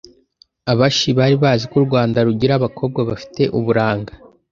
Abashi bari bazi ko u Rwanda rugira abakobwa bafite uburanga